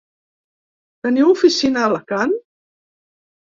Teniu oficina a Alacant?